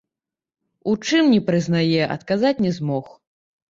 У чым не прызнае, адказаць не змог.